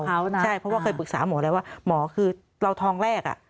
เพราะว่าเคยปรึกษาหมอแล้วว่าหมอคือเราทองแรก